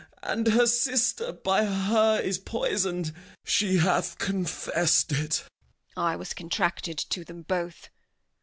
and her sister By her is poisoned; she hath confess'd it. Edm. I was contracted to them both.